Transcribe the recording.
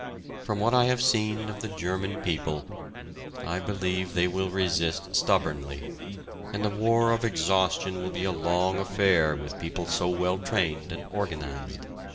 From what I have seen of the German people, I believe they will resist stubbornly, and a war of exhaustion will be a long affair with a people so well trained and organized.